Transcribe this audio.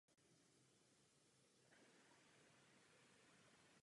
Jeho syn Čestmír Kopecký se stal televizním producentem a dramaturgem.